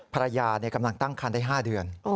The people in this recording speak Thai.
ภรรยากำลังตั้งคันได้๕เดือน